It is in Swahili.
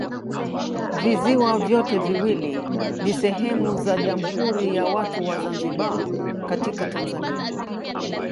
Visiwa vyote viwili ni sehemu za Jamhuri ya Watu wa Zanzibar katika Tanzania.